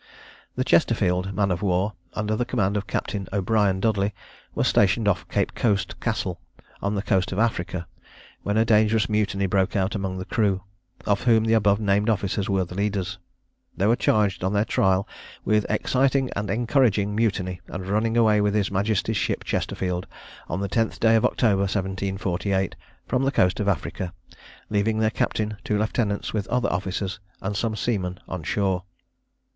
The Chesterfield man of war, under the command of Captain O'Brian Dudley, was stationed off Cape coast Castle, on the coast of Africa, when a dangerous mutiny broke out among the crew, of whom the above named officers were the leaders. They were charged on their trial with "exciting and encouraging mutiny, and running away with his Majesty's ship Chesterfield, on the 10th day of October 1748, from the coast of Africa, leaving their captain, two lieutenants, with other officers, and some seamen, on shore."